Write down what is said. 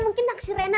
mungkin naksir raina